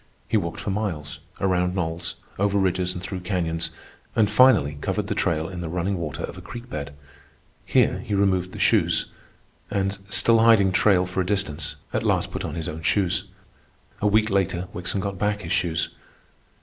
He walked for miles, around knolls, over ridges and through canyons, and finally covered the trail in the running water of a creek bed. Here he removed the shoes, and, still hiding trail for a distance, at last put on his own shoes. A week later Wickson got back his shoes.